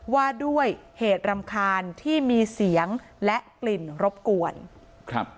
ว่าด้วยเหตุรำคาญที่มีเสียงและกลิ่นรบกวนครับ